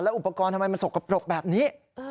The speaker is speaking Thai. อุปกรณ์ทำไมมันสกปรกแบบนี้